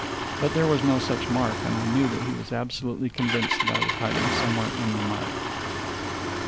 But there was no such mark; and I knew that he was absolutely convinced that I was hiding somewhere in the mud.